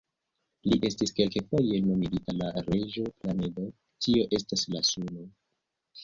Li estis kelkfoje nomigita la "Reĝo-Planedo", tio estas la Suno.